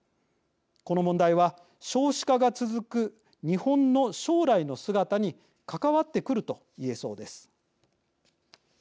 この問題は少子化が続く日本の将来の姿に関わってくると言えそうです。